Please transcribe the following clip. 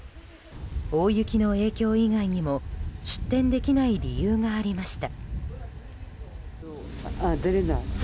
大雪の影響以外にも出店できない理由がありました。